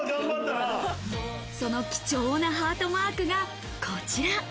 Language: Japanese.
その貴重なハートマークがこちら。